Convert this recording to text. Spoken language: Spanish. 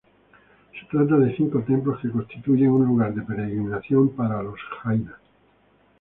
Se trata de cinco templos que constituyen un lugar de peregrinación para los jainas.